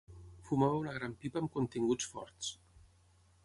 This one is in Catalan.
Fumava una gran pipa amb continguts forts.